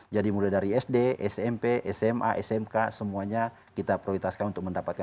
jadi mulai dari sd smp sma smk semuanya kita prioritaskan untuk mendapatkan